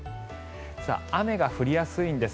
雨が降りやすいんです。